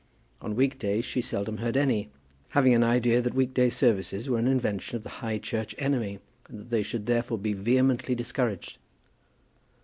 On week days she seldom heard any, having an idea that week day services were an invention of the High Church enemy, and that they should therefore be vehemently discouraged.